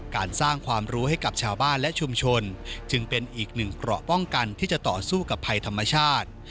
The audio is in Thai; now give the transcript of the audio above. การสร้างความรู้ให้กับชาวบ้านและชุมชนจึงเป็นอีกหนึ่งเกราะป้องกันที่จะต่อสู้กับภัยธรรมชาติ